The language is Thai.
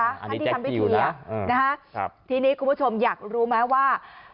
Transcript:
อันนี้แจ๊กตียูนะทีนี้คุณผู้ชมอยากรู้ไหมว่า